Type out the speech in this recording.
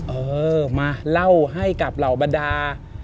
เออมาเล่าให้กับเหล่าบรรดา